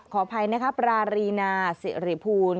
ขออภัยนะคะปรารีนาสิริภูล